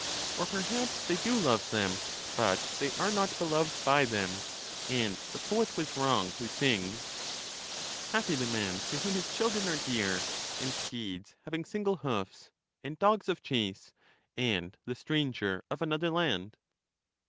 Or perhaps they do love them, but they are not beloved by them; and the poet was wrong who sings :—" Happy the man to whom his children are dear, and steeds having single hoofs, and dogs of chase, and the stranger of an other land."